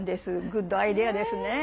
グッドアイデアですねえ。